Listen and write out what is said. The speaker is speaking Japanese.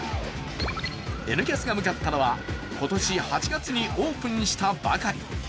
「Ｎキャス」が向かったのは今年８月にオープンしたばかり。